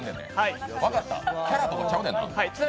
キャラとか違うねんな。